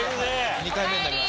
２回目になります。